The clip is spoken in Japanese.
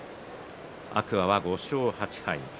天空海は５勝８敗。